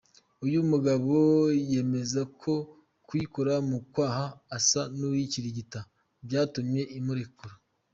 Uyu mugabo yemeza ko kuyikora mu kwaha asa n’uyikirigita, byatumye imurekura.